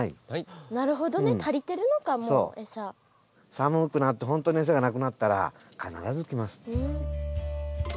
寒くなってほんとに餌がなくなったら必ず来ます。